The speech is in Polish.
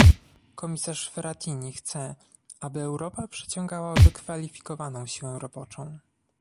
Komisarz Frattini chce, aby Europa przyciągała wykwalifikowana siłę roboczą